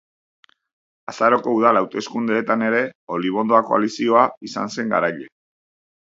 Azaroko udal hauteskundeetan ere Olibondoa koalizioa izan zen garaile.